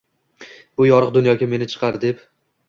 «Bu yorug’ dunyoga meni chiqar», deb